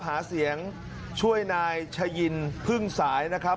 หาเสียงช่วยนายชะยินพึ่งสายนะครับ